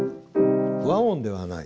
和音ではない。